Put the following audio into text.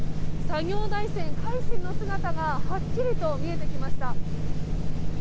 作業台船「海進」の姿がはっきりと見えてきました。